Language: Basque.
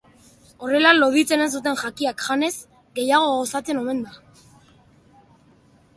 Horrela, loditzen ez duten jakiak janez, gehiago gozatzen omen da.